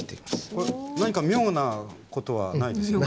これ何か妙なことはないですよね？